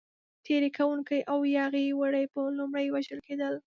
تېري کوونکي او یاغي وري به لومړی وژل کېدل.